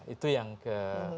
itu yang ke